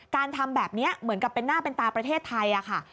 ทำแบบนี้เหมือนกับเป็นหน้าเป็นตาประเทศไทยค่ะ